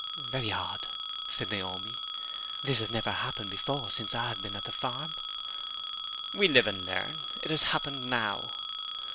"Very odd," said Naomi. "This has never happened before since I have been at the farm." "Well, live and learn. It has happened now."